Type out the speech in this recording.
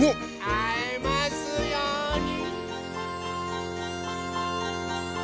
あえますように。